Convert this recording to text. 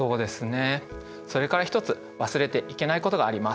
それから一つ忘れていけないことがあります。